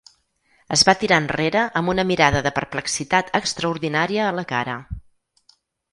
Es va tirar enrere amb una mirada de perplexitat extraordinària a la cara.